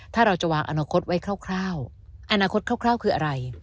ถ้าเราจะวางอนาคตไว้คร่าวอนาคตคร่าวคืออะไร